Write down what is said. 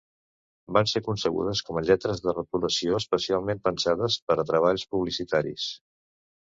Van ser concebudes com a lletres de retolació, especialment pensades per a treballs publicitaris.